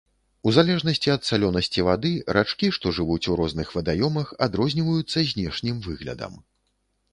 У залежнасці ад салёнасці вады рачкі, што жывуць у розных вадаёмах, адрозніваюцца знешнім выглядам.